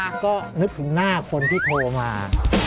ก็นึกถึงหน้าคนที่โทรมา